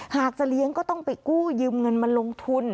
หากจะเลี้ยงก็ต้องไปกู้ยืมเงินมาลงทุน